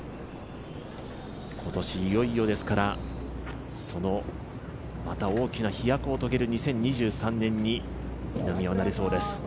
今年いよいよですから、また大きな飛躍を遂げる２０２３年に稲見はなりそうです。